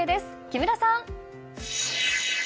木村さん！